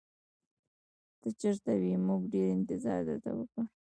ته چېرته وې؟ موږ ډېر انتظار درته وکړ.